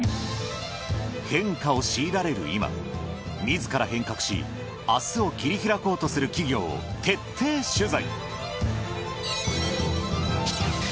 変化を強いられる今自ら変革し明日を切り開こうとする企業を徹底取材。